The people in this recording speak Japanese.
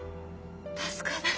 助かった。